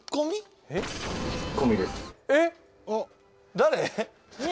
誰？